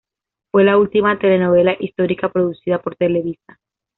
Fue la última telenovela histórica producida por Televisa.